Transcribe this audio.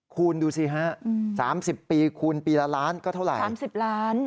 คุณดูสิฮะ๓๐ปีคูณปีละล้านก็เท่าไหร่๓๐ล้าน